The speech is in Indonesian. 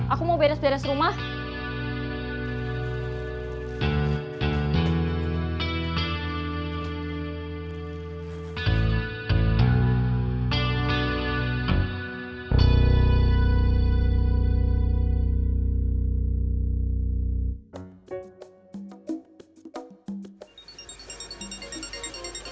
aku mau beres beres rumah